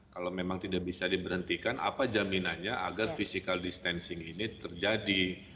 kalau memang tidak bisa diberhentikan apa jaminannya agar physical distancing ini terjadi